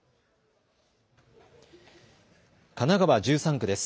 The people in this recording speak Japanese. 神奈川１３区です。